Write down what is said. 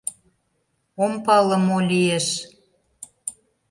Ом пале, мо лиеш.